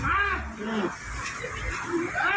สวัสดีครับคุณผู้ชาย